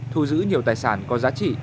thu giữ nhiều tài sản có giá trị